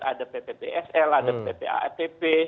ada pppsl ada ppaetp